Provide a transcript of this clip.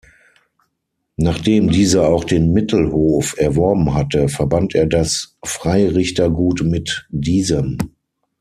Nachdem dieser auch den Mittelhof erworben hatte, verband er das Freirichtergut mit diesem.